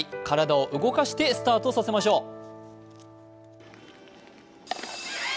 体を動かしてスタートさせましょう。